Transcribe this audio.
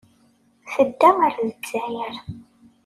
Tedda ɣer Lezzayer.